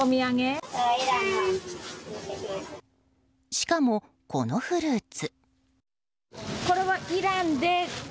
しかも、このフルーツ。